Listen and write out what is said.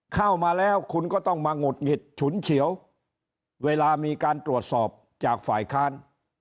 เข้ามาแล้วคุณก็ต้องมาหงุดหงิดฉุนเฉียวเวลามีการตรวจสอบจากฝ่ายค้าน